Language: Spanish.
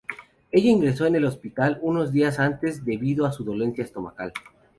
Ella ingresó en el hospital unos días antes, debido a su dolencia estomacal.